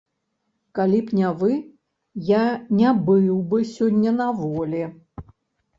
Калі б не вы, я не быў бы сёння на волі.